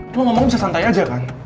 lo mau mau bisa santai aja kan